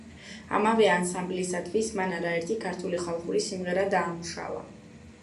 ამავე ანსამბლისათვის მან არაერთი ქართული ხალხური სიმღერა დაამუშავა.